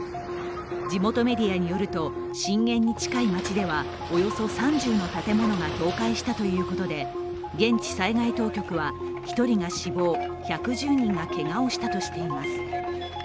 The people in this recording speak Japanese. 地元メディアによると震源に近い街ではおよそ３０の建物が倒壊したということで現地災害当局は１人が死亡、１１０人がけがをしたとしています。